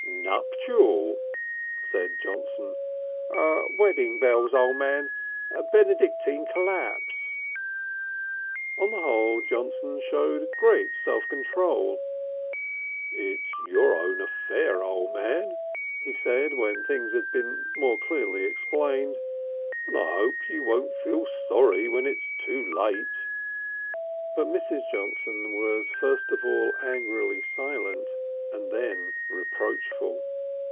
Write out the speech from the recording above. "Nuptial!" said Johnson. "Wedding bells, O' Man. Benedictine collapse." On the whole Johnson showed great self control. "It's your own affair, O' Man," he said, when things had been more clearly explained, "and I hope you won't feel sorry when it's too late." But Mrs. Johnson was first of all angrily silent, and then reproachful.